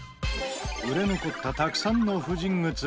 売れ残ったたくさんの婦人靴。